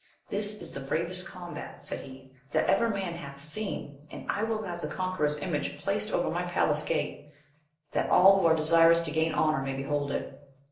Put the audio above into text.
This is the bravest com bat, said he, that ever man hath seen, and I will have the conqueror's image placed over my palace gate, that all who are desirous to gain honour may behold it.